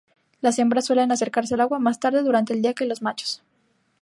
Las hembras suelen acercarse al agua más tarde durante el día que los machos.